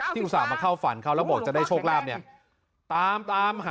ที่อุตส่าห์มาเข้าฝันเขาแล้วบอกจะได้โชคลาภมาก